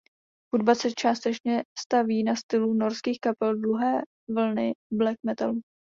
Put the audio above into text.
Hudba se částečně staví na stylu norských kapel druhé vlny black metalu.